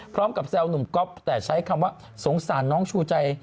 แซวหนุ่มก๊อฟแต่ใช้คำว่าสงสารน้องชูใจ